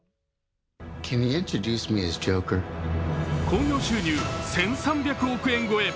興行収入１３００億円超え。